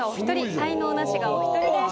才能ナシがお１人です。